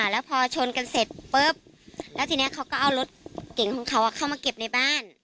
แล้วพอชนกันเสร็จปุ๊บแล้วทีนี้เขาก็เอารถเก่งของเขาเข้ามาเก็บในบ้าน